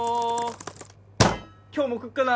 今日も来っかな